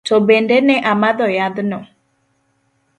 To bende ne omadho yadhno?